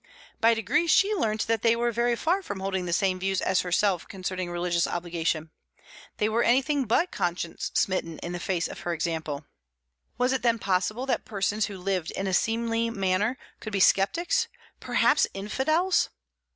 By degrees she learnt that they were very far from holding the same views as herself concerning religious obligation; they were anything but conscience smitten in the face of her example. Was it, then, possible that persons who lived in a seemly manner could be sceptics, perhaps "infidels"?